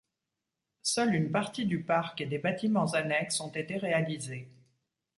Seuls une partie du parc et des bâtiments annexes ont été réalisés.